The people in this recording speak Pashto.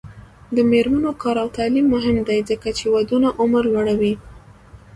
د میرمنو کار او تعلیم مهم دی ځکه چې ودونو عمر لوړوي.